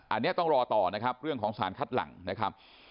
อันนี้ต้องรอต่อนะครับเรื่องของสารคัดหลังนะครับ